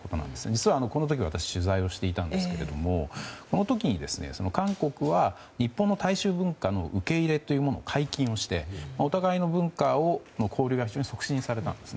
実はこの時私は取材をしていたんですがこの時に韓国は日本の大衆文化の受け入れというものの解禁をしてお互いの文化の交流が非常に促進されたんです。